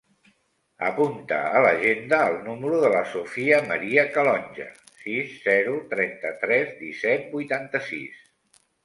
Apunta a l'agenda el número de la Sofia maria Calonge: sis, zero, trenta-tres, disset, vuitanta-sis.